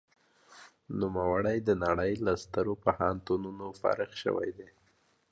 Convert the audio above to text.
نوموړي د نړۍ له سترو پوهنتونونو فارغ شوی دی.